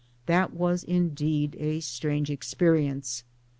That was indeed a strange experience.